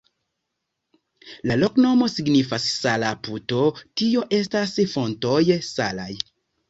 La loknomo signifas sala-puto, tio estas fontoj salaj.